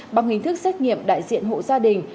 bằng hình thức xét nghiệm đại diện hộ gia đình